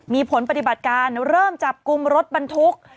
มีผลปฏิบัติการเริ่มจับกลุ่มรถบรรทุก